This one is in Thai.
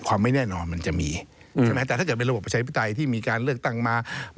ไม่แน่นอนมันจะมีใช่ไหมแต่ถ้าเกิดเป็นระบบประชาธิปไตยที่มีการเลือกตั้งมา